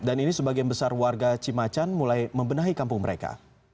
dan ini sebagian besar warga cimacan mulai membenahi kampung mereka